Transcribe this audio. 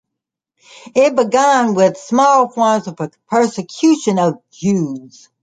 It began with small forms of persecution of Jews.